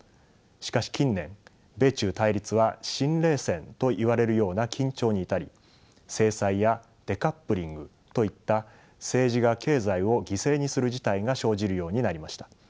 しかし近年米中対立は新冷戦といわれるような緊張に至り制裁やデカップリングといった政治が経済を犠牲にする事態が生じるようになりました。